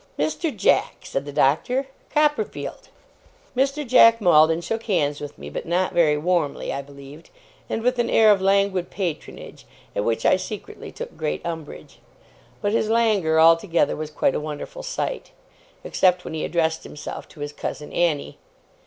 'Mr. Jack!' said the Doctor. 'Copperfield!' Mr. Jack Maldon shook hands with me; but not very warmly, I believed; and with an air of languid patronage, at which I secretly took great umbrage. But his languor altogether was quite a wonderful sight; except when he addressed himself to his cousin Annie.